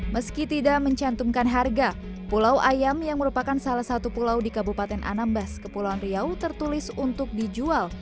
meski tidak mencantumkan harga pulau ayam yang merupakan salah satu pulau di kabupaten anambas kepulauan riau tertulis untuk dijual